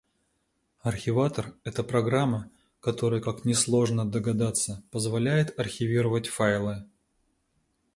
Архиватор — это программа, которая, как несложно догадаться, позволяет архивировать файлы.